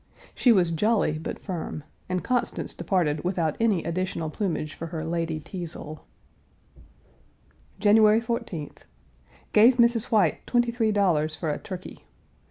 She was jolly but firm, and Constance departed without any additional plumage for her Lady Teazle. January 14th. Gave Mrs. White twenty three dollars for a turkey.